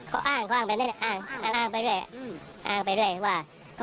เขาอ้างแบบนี้อ้างไปเรื่อยอ้างไปเรื่อยว่า